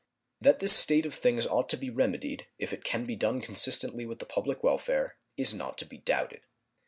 That this state of things ought to be remedied, if it can be done consistently with the public welfare, is not to be doubted.